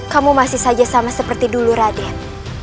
kamu masih saja sama seperti dulu raden